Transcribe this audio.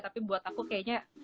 tapi buat aku kayaknya